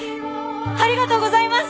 ありがとうございます！